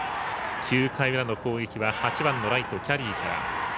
９回裏の攻撃は８番のライト、キャリーから。